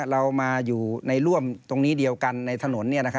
เรามาอยู่ในร่วมตรงนี้เดียวกันในถนน